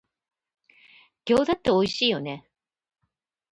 餃子っておいしいよね